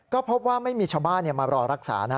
ก็พบว่าไม่มีชาวบ้านมารอรักษานะ